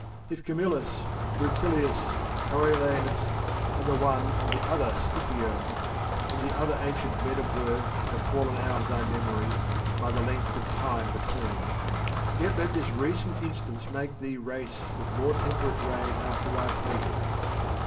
if Camillus, Rutilius, Coriolanus, and the one and the other Scipio, and the other ancient men of worth have fallen out of thy memory by the length of time between, yet let this recent instance make thee race with more temperate rein after thy pleasures.